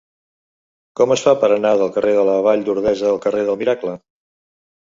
Com es fa per anar del carrer de la Vall d'Ordesa al carrer del Miracle?